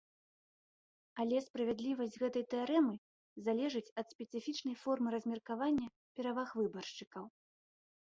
Але справядлівасць гэтай тэарэмы залежыць ад спецыфічнай формы размеркавання пераваг выбаршчыкаў.